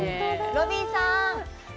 ロビーさん！